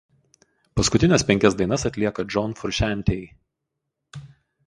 Paskutines penkias dainas atlieka John Frusciante.